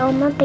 aku mau pergi